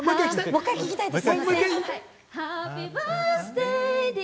もう１回、聴きたいです。